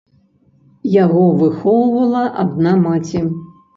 Яго выхоўвала адна маці.